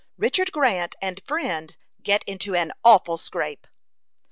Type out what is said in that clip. RICHARD GRANT AND FRIEND GET INTO AN AWFUL SCRAPE.